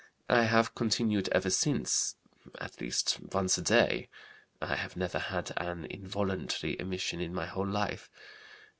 I have continued ever since, at least once a day. (I have never had an involuntary emission in my whole life.)